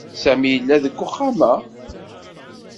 Sami yella deg uxxam-a.